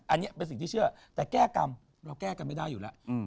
อันนี้เป็นสิ่งที่เชื่อแต่แก้กรรมเราแก้กันไม่ได้อยู่แล้ว